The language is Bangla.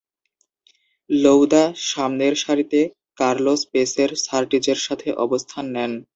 লউদা সামনের সারিতে কার্লোস পেসের সার্টিজের সাথে অবস্থান নেন।